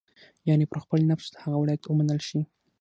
یعنې پر خپل نفس د هغه ولایت ومنل شي.